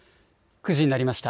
９時になりました。